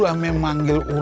buat kuk quantitas